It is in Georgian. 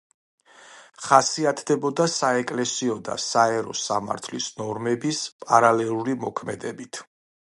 ხასიათდებოდა საეკლესიო და საერო სამართლის ნორმების პარალელური მოქმედებით.